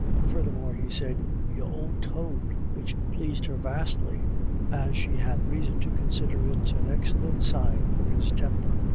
Further more he said, "Y'ould toad," which pleased her vastly, as she had reason to consider it an excellent sign for his temper.